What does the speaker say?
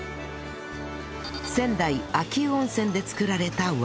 仙台秋保温泉で作られたワイン